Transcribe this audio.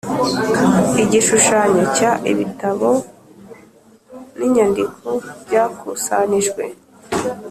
Igishushanyo cya Ibitabo n inyandiko byakusanijwe